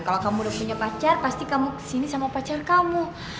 kalau kamu udah punya pacar pasti kamu kesini sama pacar kamu